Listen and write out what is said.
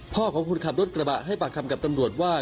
ของคนขับรถกระบะให้ปากคำกับตำรวจว่า